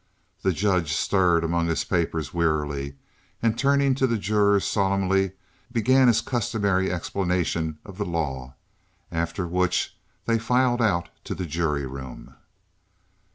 The judge stirred among his papers wearily, and turning to the jurors solemnly, began his customary explanation of the law, after which they filed out to the jury room.